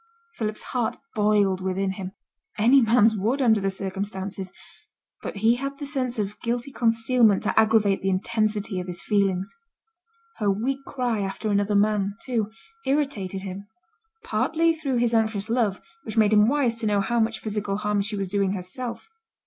Philip's heart boiled within him; any man's would under the circumstances, but he had the sense of guilty concealment to aggravate the intensity of his feelings. Her weak cry after another man, too, irritated him, partly through his anxious love, which made him wise to know how much physical harm she was doing herself.